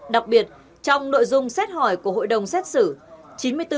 đặc biệt trong nội dung xét hỏi của hội đồng xét xử